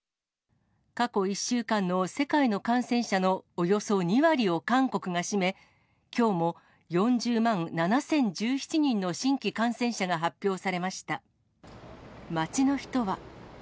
過去１週間の世界の感染者のおよそ２割を韓国が占め、きょうも４０万７０１７人の新規感染者が発表されました。